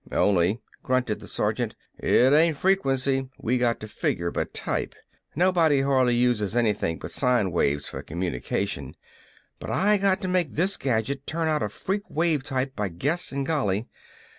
"Only," grunted the sergeant, "it ain't frequency we got to figure, but type. Nobody hardly uses anything but sine waves for communication, but I got to make this gadget turn out a freak wave type by guess and golly.